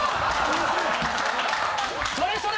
それそれ！